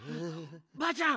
ばあちゃん